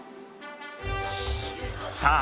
さあ！